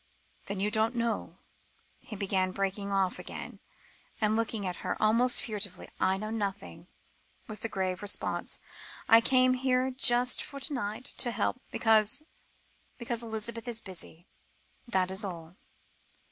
"Then you don't know " he began, breaking off again, and looking at her almost furtively. "I know nothing," was the grave response. "I came here just for to night, to help because because Elizabeth is busy. That is all."